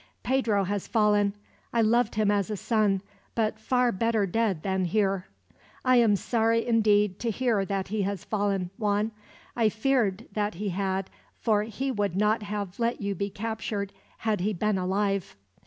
"Pedro has fallen. I loved him as a son. But far better dead than here." "I am sorry, indeed, to hear that he has fallen, Juan. I feared that he had, for he would not have let you be captured, had he been alive.